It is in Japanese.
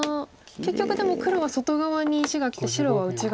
結局でも黒は外側に石がきて白は内側ですね。